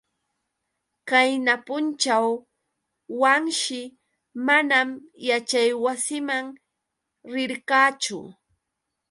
Qayna punćhaw Wanshi manam yaćhaywasiman rirqachu.